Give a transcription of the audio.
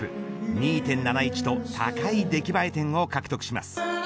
２．７１度高い出来栄え点を獲得します。